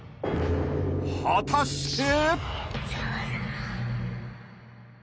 ［果たして？］